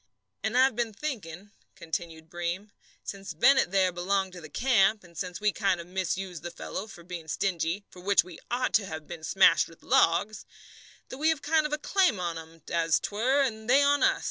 "And I've been thinking," continued Breem, "since Bennett there belonged to the camp, and since we kind of misused the fellow for being stingy for which we ought to have been smashed with logs that we have a kind of a claim on 'em, as 'twere, and they on us.